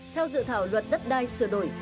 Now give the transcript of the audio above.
theo dự thảo luật đất đai sửa đổi